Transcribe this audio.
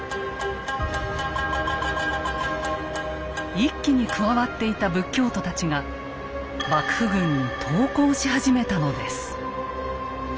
一揆に加わっていた仏教徒たちが幕府軍に投降し始めたのです。